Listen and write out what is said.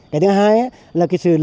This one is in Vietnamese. cái thứ hai